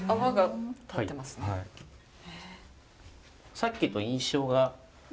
さっきと印象が。